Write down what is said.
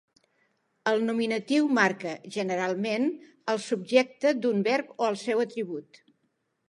El nominatiu marca, generalment, el subjecte d'un verb o el seu atribut.